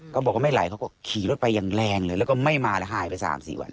ก็บอกว่าไม่ไหลเขาก็ขี่รถไปอย่างแรงเลยแล้วก็ไม่มาแล้วหายไป๓๔วัน